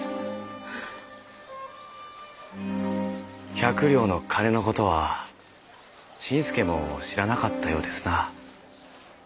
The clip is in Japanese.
百両の金のことは新助も知らなかったようですな。